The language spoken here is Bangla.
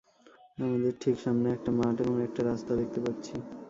আমাদের ঠিক সামনে একটা মাঠ এবং একটা রাস্তা দেখতে পাচ্ছি।